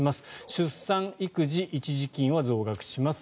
出産育児一時金を増額します。